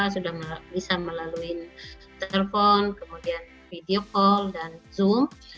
sudah bisa melalui telepon kemudian video call dan zoom